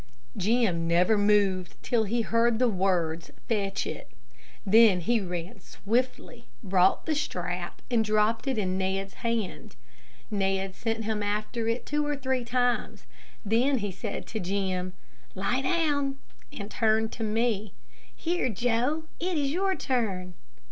Jim never moved till he heard the words, "Fetch it." Then he ran swiftly, brought the strap, and dropped it in Ned's hand. Ned sent him after it two or three times, then he said to Jim, "Lie down," and turned to me. "Here, Joe; it is your turn."